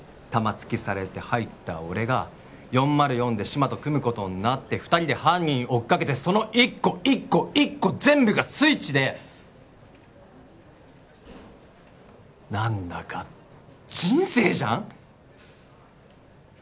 玉突きされて入った俺が４０４で志摩と組むことになって二人で犯人追っかけてその一個一個一個全部がスイッチで何だか人生じゃん？